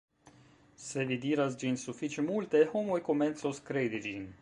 se vi diras ĝin sufiĉe multe, homoj komencos kredi ĝin